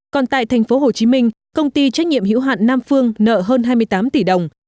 còn tại tp hcm công ty trách nhiệm hữu hạn nam phương nợ hơn hai mươi tám tỷ đồng